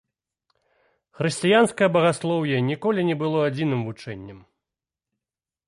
Хрысціянскае багаслоўе ніколі не было адзіным вучэннем.